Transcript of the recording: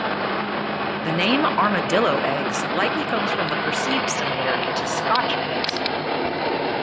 The name Armadillo Eggs likely comes from the perceived similarity to Scotch Eggs.